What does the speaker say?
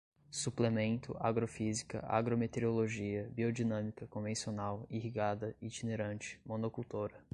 suplemento, agrofísica, agrometeorologia, biodinâmica, convencional, irrigada, itinerante, monocultora